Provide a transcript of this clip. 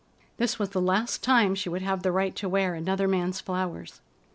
This was the last time she would have the right to wear another man's flowers.